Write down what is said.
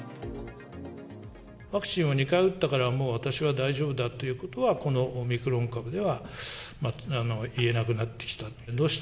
ワクチンを２回打ったからもう私は大丈夫だということは、このオミクロン株では言えなくなってきたと。